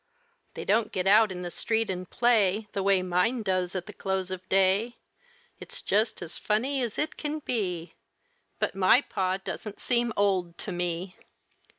They don't get out in the street an' play The way mine does at the close of day. It's just as funny as it can be, But my pa doesn't seem old to me.